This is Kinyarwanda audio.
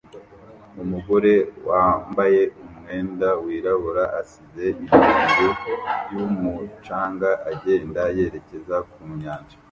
Umugore wambaye umwenda wirabura asize ibirenge byumucanga agenda yerekeza ku nyanja